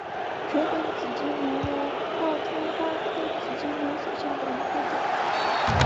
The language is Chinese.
折梗紫金牛为报春花科紫金牛属下的一个种。